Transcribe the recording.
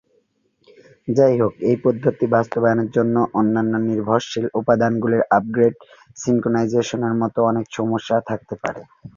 যাইহোক এই পদ্ধতি বাস্তবায়নের জন্য অন্যান্য নির্ভরশীল উপাদানগুলির আপগ্রেড/সিঙ্ক্রোনাইজেশনের মতো অনেক সমস্যা থাকতে পারে।